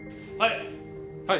はい！